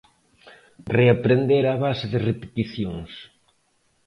Reaprender a base de repeticións.